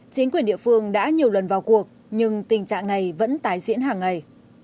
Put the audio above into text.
chính quyền địa phương đã nhiều lần vào cuộc nhưng tình trạng này vẫn tái diễn hàng ngày